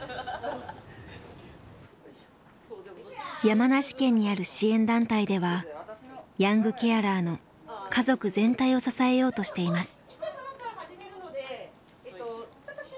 山梨県にある支援団体ではヤングケアラーの家族全体を支えようとしています。